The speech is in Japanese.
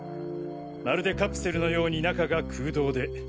まるでカプセルのように中が空洞で。